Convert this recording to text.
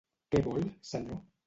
Què vol, senyor?